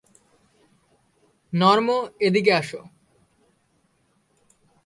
Norm, এদিকে আসো।